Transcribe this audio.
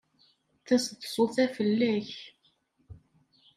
Taseḍsut-a fell-ak.